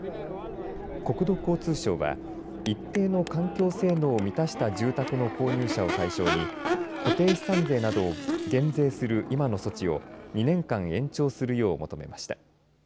国土交通省は一定の環境性能を満たした住宅の購入者を対象に固定資産税などを減税する今の措置を２年間延長するよう求めました。